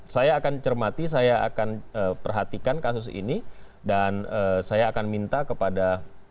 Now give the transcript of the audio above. saya akan cermati saya akan perhatikan kasus ini dan saya akan minta kepada